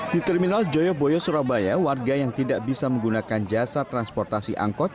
di terminal joyoboyo surabaya warga yang tidak bisa menggunakan jasa transportasi angkot